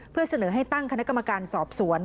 เพื่อเสนอให้ตั้งคณะกรรมการสอบสวน